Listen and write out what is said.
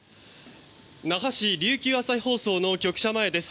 那覇市・琉球朝日放送の局舎前です。